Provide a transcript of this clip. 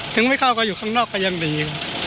ไม่เข้าก็อยู่ข้างนอกก็ยังดี